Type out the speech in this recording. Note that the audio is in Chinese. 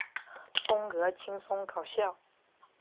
风格轻松搞笑。